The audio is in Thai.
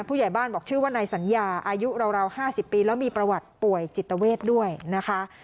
ผู้ใหญ่บ้านบอกชื่อว่านายสัญญาอายุราว๕๐ปีแล้วมีประวัติป่วยจิตเวทด้วยนะคะ